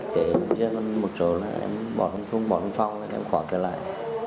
trên một chỗ em bỏ thông thung bỏ thông pháo thì em khỏa cái lại